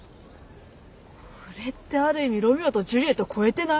これってある意味「ロミオとジュリエット」超えてない？